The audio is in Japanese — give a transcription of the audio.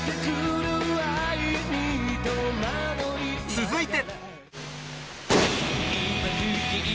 続いて